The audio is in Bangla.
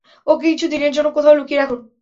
ওকে কিছু দিনের জন্য কোথাও লুকিয়ে রাখুন।